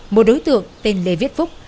một đối tượng tên lê viết phúc